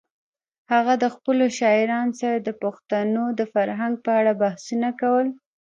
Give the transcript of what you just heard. هغه د خپلو شاعرانو سره د پښتنو د فرهنګ په اړه بحثونه کول.